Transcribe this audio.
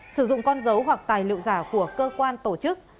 sử dụng con dấu hoặc tài liệu giả của cơ quan tổ chức